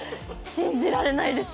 信じられないです。